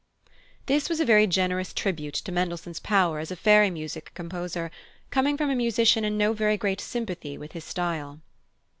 This was a very generous tribute to Mendelssohn's power as a fairy music composer, coming from a musician in no very great sympathy with his style.